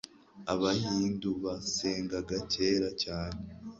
abahindu basengaga kera cyane